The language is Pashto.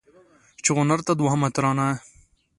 چونغرته دوهمه ترانه